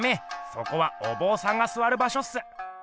そこはおぼうさんがすわる場しょっす。